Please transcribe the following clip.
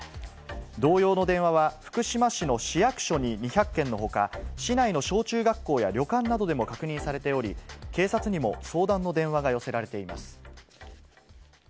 同様の電話は、福島市の市役所に２００件のほか、市内の小中学校や旅館などでも確認されており、警察にも相談の電話が寄せられています。